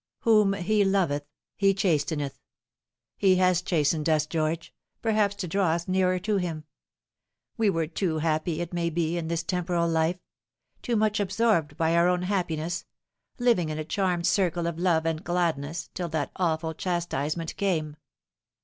"' Whom He loveth He chasteneth.' He has chastened us, George perhaps to draw us nearer to Him. We were too happy, it may be, in this temporal life too much absorbed by our own happiness, living in a charmed circle of love and gladness, till that awful chastisement came.